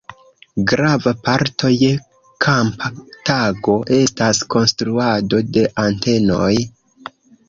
Grava parto je kampa tago estas konstruado de antenoj.